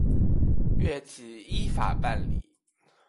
岳起依法办理。